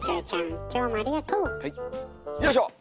よいしょ！